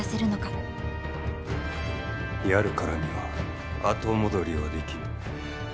やるからには後戻りはできぬ。